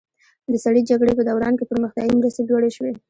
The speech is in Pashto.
د سړې جګړې په دوران کې پرمختیایي مرستې لوړې شوې.